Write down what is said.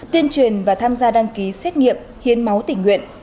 tuyên truyền và tham gia đăng ký xét nghiệm hiến máu tỉnh nguyện